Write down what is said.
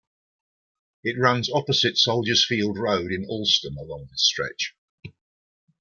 It runs opposite Soldiers Field Road in Allston along this stretch.